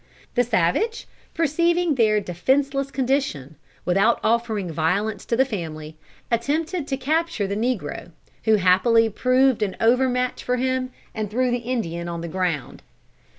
The savage, perceiving their defenseless condition, without offering violence to the family, attempted to capture the negro, who happily proved an over match for him, and threw the Indian on the ground.